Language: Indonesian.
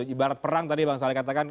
ibarat perang tadi bang saleh katakan